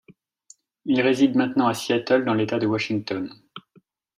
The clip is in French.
Il réside maintenant à Seattle, dans l'État de Washington.